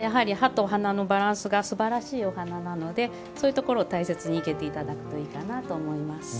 菊は、葉と花のバランスがすばらしいお花なのでそういうところを大切に生けていただくといいと思います。